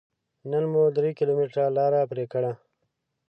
نن مو درې کيلوميټره لاره پرې کړه.